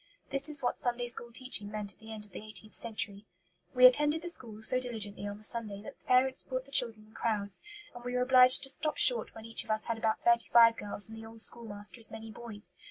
This is what Sunday school teaching meant at the end of the eighteenth century: "We attended the school so diligently on the Sunday that the parents brought the children in crowds, and we were obliged to stop short when each of us had about thirty five girls and the old schoolmaster as many boys.